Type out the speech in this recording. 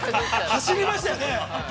◆走りましたよね。